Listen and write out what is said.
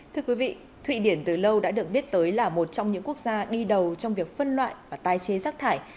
thưa quý vị thụy điển từ lâu đã được biết tới là một trong những quốc gia đi đầu trong việc phân loại và tái chế rác thải